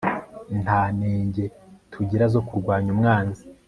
nta nege tugira zo kurwanya umwanzi